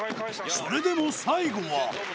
それでも最後は。